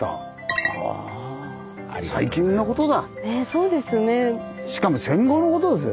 そうですね。